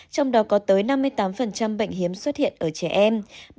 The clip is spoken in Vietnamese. trong đó có tới năm mươi tám bệnh hiếm xuất hiện ở trẻ em